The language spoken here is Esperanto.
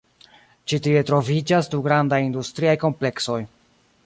Ĉi tie troviĝas du grandaj industriaj kompleksoj.